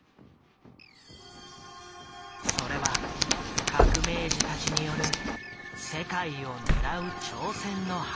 それは革命児たちによる世界を狙う挑戦の始まりだった。